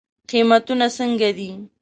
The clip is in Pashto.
قیمتونه څنګه دی؟